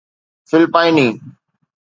فلپائني